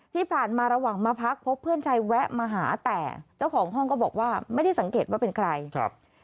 ที่ผ่านมาระหว่างมาพักพบเพื่อนชายแวะมาหาแต่เจ้าของห้องก็บอกว่าไม่ได้สังเกตว่าเป็นใครครับ